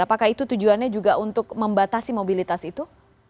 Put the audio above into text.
apakah itu tujuannya juga untuk membatasi mobilitas itu